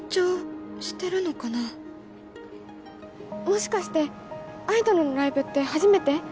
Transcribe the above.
もしかしてアイドルのライブって初めて？